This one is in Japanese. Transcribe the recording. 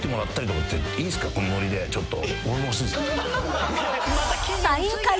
このノリでちょっと。